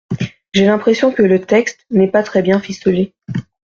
J’ai l’impression que le texte n’est pas très bien ficelé.